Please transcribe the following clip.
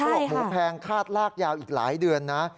บอกหมูแพงคาดลากยาวอีกหลายเดือนนะ